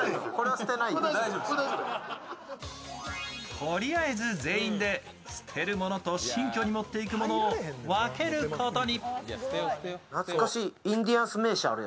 とりあえず全員で捨てるものと新居に持っていくものを分けることに。